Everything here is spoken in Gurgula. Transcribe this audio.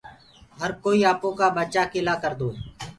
هر ڪوئي اپوڪآ بچآ ڪي لآ ڪردو هي۔